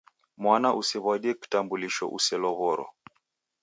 Mwana usew'adie kitambulisho uselow'oro.